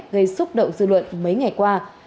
gây xúc động dư luận mấy ngày qua